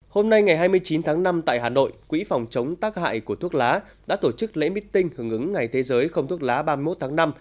hôm nay ngày hai mươi chín tháng năm tại hà nội quỹ phòng chống tác hại của thuốc lá đã tổ chức lễ meeting hưởng ứng ngày thế giới không thuốc lá ba mươi một tháng năm